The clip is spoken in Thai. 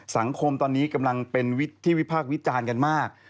สังคมตอนนี้กำลังเป็นที่วิพากษ์วิจารณ์กันมาก